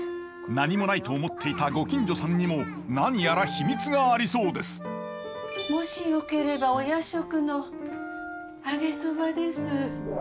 何もないと思っていたご近所さんにも何やら秘密がありそうですもしよければお夜食の揚げそばです。